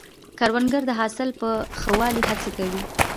کروندګر د حاصل په ښه والي هڅې کوي